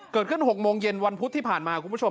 เกิดขึ้น๖โมงเย็นวันพุธที่ผ่านมาคุณผู้ชม